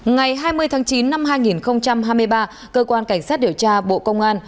ngày hai mươi tháng chín năm hai nghìn hai mươi ba cơ quan cảnh sát điều tra bộ công an